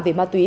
về ma túy